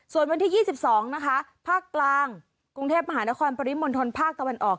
ส่วนวันที่๒๒นะคะภาคกลางกรุงเทพมหานครปริมณฑลภาคตะวันออก